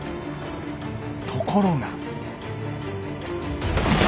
ところが。